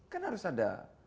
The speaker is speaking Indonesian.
kan harus ada